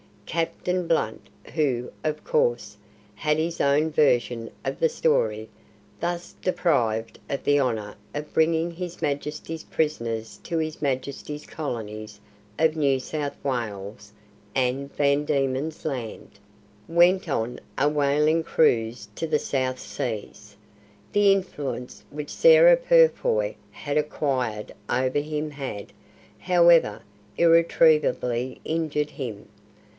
Captain Blunt who, of course, had his own version of the story thus deprived of the honour of bringing His Majesty's prisoners to His Majesty's colonies of New South Wales and Van Diemen's Land, went on a whaling cruise to the South Seas. The influence which Sarah Purfoy had acquired over him had, however, irretrievably injured him.